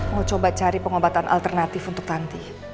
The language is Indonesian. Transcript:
mau coba cari pengobatan alternatif untuk tanti